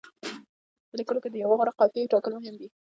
په لیکلو کې د یوې غوره قافیې ټاکل مهم دي.